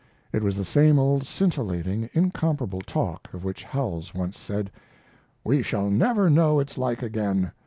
It was the same old scintillating, incomparable talk of which Howells once said: "We shall never know its like again.